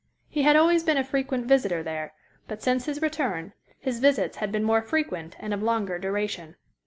He had always been a frequent visitor there, but since his return, his visits had been more frequent and of longer duration.